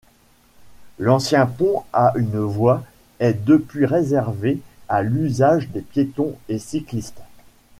L'ancien pont à une voie est depuis réservé à l'usage des piétons et cyclistes.